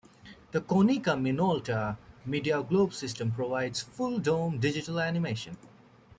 The Konica Minolta Mediaglobe system provides full-dome digital animation.